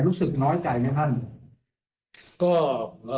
รู้สึกน้อยจ่ายไหมครับท่าน